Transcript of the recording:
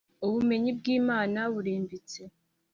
ubumenyi bw imana burimbitse